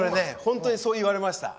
本当にそう言われました。